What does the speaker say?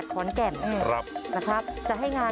ทุกข้าทุกข้าทุกข้าทุกข้า